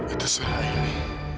itu suara aini